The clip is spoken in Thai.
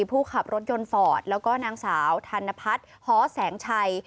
ผู้ขับรถยนต์ฟอร์ดแล้วก็นางสาวธนพัฒน์ฮแสงชัย